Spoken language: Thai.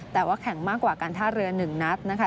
แต่ว่าแข่งมากกว่าการท่าเรือ๑นัดนะคะ